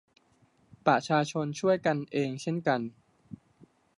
ประชาชนช่วยกันเองเช่นกัน